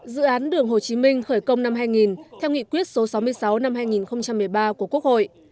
dự án đường hồ chí minh khởi công năm hai nghìn theo nghị quyết số sáu mươi sáu năm hai nghìn một mươi ba của quốc hội